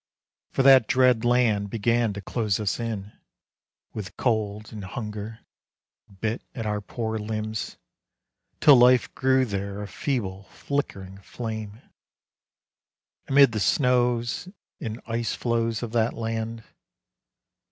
For that dread land began to close us in, With cold and hunger, bit at our poor limbs, Till life grew there a feeble, flickering flame, Amid the snows and ice floes of that land.